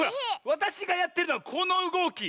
わたしがやってるのはこのうごき。